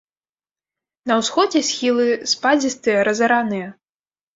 На ўсходзе схілы спадзістыя, разараныя.